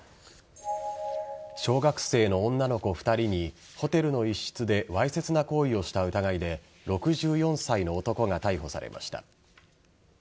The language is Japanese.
小学生の女の子２人にホテルの一室でわいせつな行為をした疑いで６４歳の男が逮捕されました。